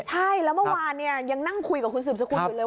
ใช่แล้วเมื่อวานเนี่ยยังนั่งคุยกับคุณสืบสกุลอยู่เลย